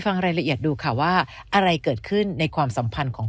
ฟังรายละเอียดดูค่ะว่าอะไรเกิดขึ้นในความสัมพันธ์ของ